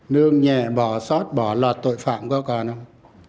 nương nhẹ bỏ sót bỏ lọt tội phạm có cả không